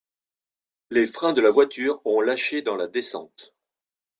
Les freins de la voiture ont lâché dans la descente